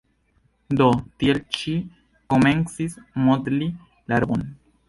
Do, tiel ŝi komencis modli la robon.